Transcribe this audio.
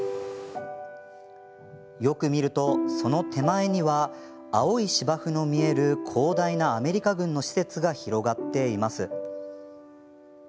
よく見ると、その手前には青い芝生の見える広大なアメリカ軍の施設が広がっています。